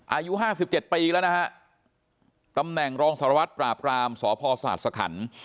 อายุ๕๗ปีแล้วนะฮะตำแหน่งรองสารวัตรปราบรามสพศศคร